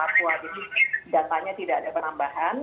jadi ini datanya tidak ada penambahan